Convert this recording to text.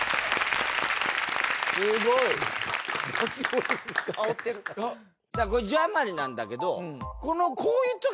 すごい。これ字余りなんだけど。